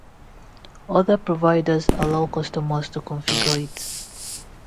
Other providers allow customers to configure it.